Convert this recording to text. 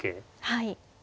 はい。